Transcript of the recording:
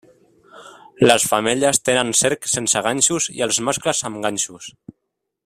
Les femelles tenen cerc sense ganxos i els mascles amb ganxos.